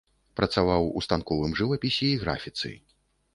Працаваў у станковым жывапісе і графіцы.